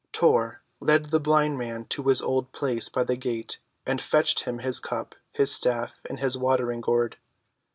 Tor led the blind man to his old place by the gate, and fetched him his cup, his staff, and his water‐gourd.